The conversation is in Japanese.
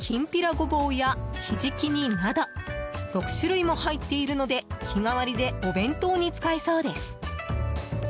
ごぼうやひじき煮など６種類も入っているので日替わりでお弁当に使えそうです。